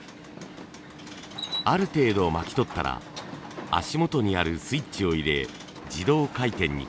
ある程度巻き取ったら足元にあるスイッチを入れ自動回転に。